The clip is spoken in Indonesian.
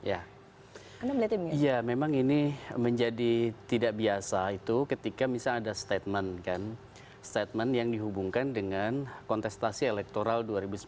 ya memang ini menjadi tidak biasa itu ketika misalnya ada statement kan statement yang dihubungkan dengan kontestasi elektoral dua ribu sembilan belas